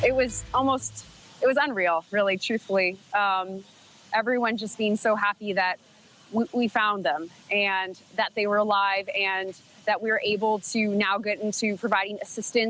จากการการปฏิบัติการพื้นและมีความสุขของพวกมัน